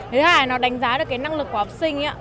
thứ hai nó đánh giá được cái năng lực của học sinh